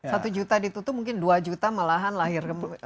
satu juta ditutup mungkin dua juta malahan lahir